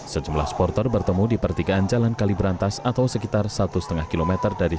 sejumlah supporter bertemu di pertigaan jalan kaliberantas atau sekitar satu lima km